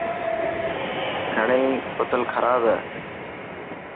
گھڻي بوتل کراب هي.